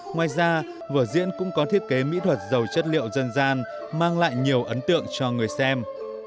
ngoài ra vở diễn cũng có thiết kế mỹ thuật giàu chất liệu dân gian mang lại nhiều ấn tượng cho người xem